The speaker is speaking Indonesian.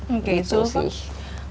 oke itu apa